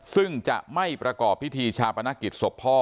ซึ่งจะไม่ประกอบพิธีชาปนกิจศพพ่อ